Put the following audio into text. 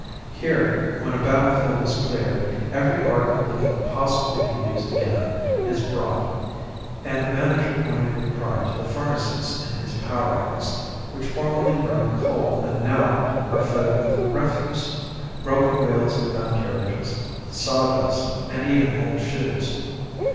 Here, when a battle field is cleared, every article that can possibly be used again is brought; and the manager pointed with pride to the furnaces in his power house, which formerly burned coal and now are fed with refuse broken wheels of gun carriages, sawdust, and even old shoes.